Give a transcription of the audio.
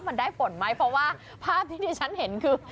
มันได้ผลไหมเพราะว่าภาพที่ที่ฉันเห็นคือ